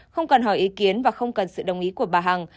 không cần hỏi ý kiến và không cần sự đồng ý của bà hằng